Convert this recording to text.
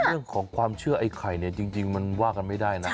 เรื่องของความเชื่อไอ้ไข่เนี่ยจริงมันว่ากันไม่ได้นะ